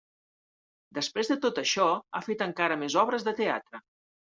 Després de tot això, ha fet encara més obres de teatre.